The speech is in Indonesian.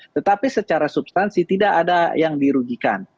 tetapi secara substansi tidak ada yang dirugikan